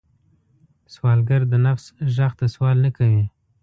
سوالګر د نفس غږ ته سوال نه کوي